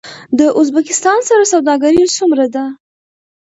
د ازبکستان سره سوداګري څومره ده؟